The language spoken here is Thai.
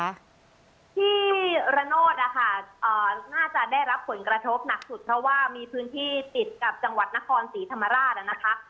ที่ระโนธนะคะน่าจะได้รับผลกระทบหนักสุดเพราะว่ามีพื้นที่ติดกับจังหวัดนครศรีธรรมราชนะคะ